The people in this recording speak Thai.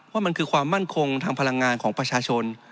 ว่ามันคือความมั่นคงทางพลังงานของประชาชน